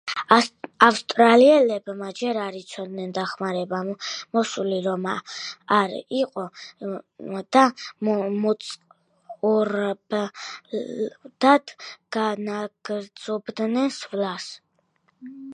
ავსტრიელებმა ჯერ არ იცოდნენ დახმარება მოსული რომ იყო და მწყობრად განაგრძობდნენ სვლას.